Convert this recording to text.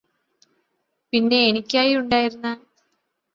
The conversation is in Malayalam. പിന്നെ എനിക്കായി ഉണ്ടായിരുന്ന